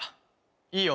いいよ。